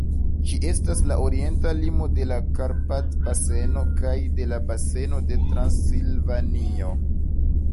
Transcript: Ĝi estas la orienta limo de la Karpat-baseno kaj de la Baseno de Transilvanio.